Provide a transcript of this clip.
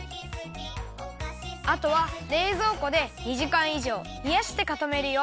あとはれいぞうこで２じかんいじょうひやしてかためるよ。